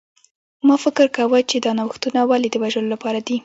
ما فکر کاوه چې دا نوښتونه ولې د وژلو لپاره دي